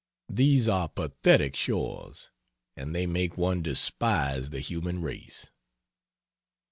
These are pathetic shores, and they make one despise the human race.